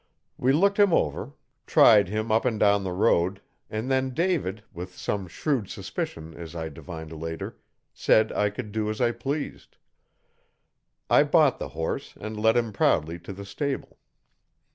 We looked him over, tried him up and down the road, and then David, with some shrewd suspicion, as I divined later, said I could do as I pleased. I bought the horse and led him proudly to the stable.